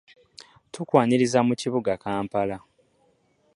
Tukwaniriza mu kibuga Kampala.